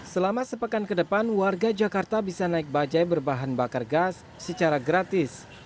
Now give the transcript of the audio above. selama sepekan ke depan warga jakarta bisa naik bajai berbahan bakar gas secara gratis